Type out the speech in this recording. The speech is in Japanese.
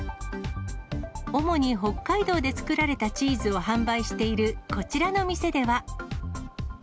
主に北海道で作られたチーズを販売している、こちらの店では。